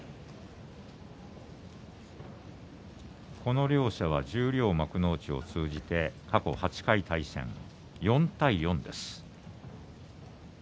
この両者は十両、幕内を通じて過去８回対戦して４対４です。